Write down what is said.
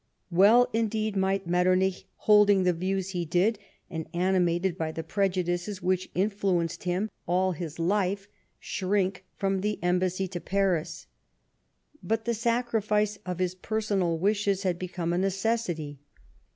Well, indeed, might Metternich, holding the views he did, and animated by the prejudices which influenced him all his life, shrink from the embassy to Paris. But the sacrifice of his personal wishes had become a necessity.